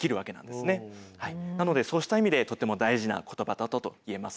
なのでそうした意味でとても大事な言葉だったと言えます。